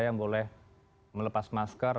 yang boleh melepas masker